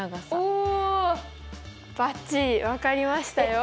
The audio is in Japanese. おお！バッチリ分かりましたよ。